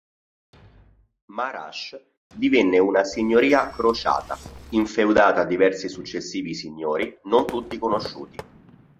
Mar'ash divenne una signoria crociata, infeudata a diversi successivi signori, non tutti conosciuti.